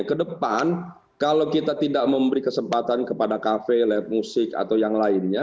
kedepan kalau kita tidak memberi kesempatan kepada kafe lewat musik atau yang lainnya